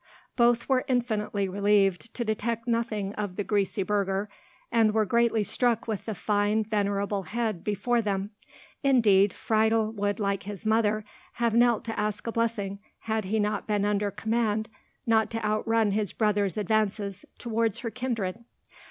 Both were infinitely relieved to detect nothing of the greasy burgher, and were greatly struck with the fine venerable head before them; indeed, Friedel would, like his mother, have knelt to ask a blessing, had he not been under command not to outrun his brother's advances towards her kindred.